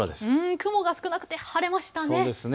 雲が少なくて晴れましたね。